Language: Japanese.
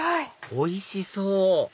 おいしそう！